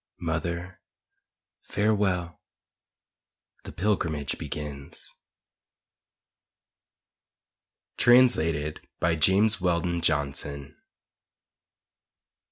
Mother, farewell! The pilgrimage begins. Translated by James Weldon Johnson.